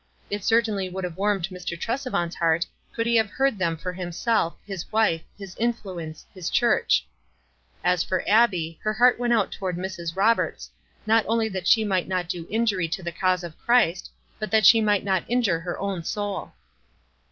It certainly would have warmed Mr. Tresevant's heart could he have heard them for himself, his wife, his influence, his church. As for Abbie, her heart went out toward Mrs. Rob erts, not only that she might not do injury to the cause of Christ, but that she might not injure her own soul.